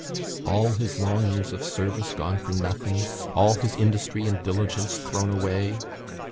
All his long years of service gone for nothing! All his industry and diligence thrown away!